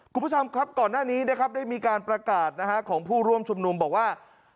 คุณผู้ชมครับก่อนหน้านี้นะครับได้มีการประกาศของผู้ร่วมชุมนุมบอกว่า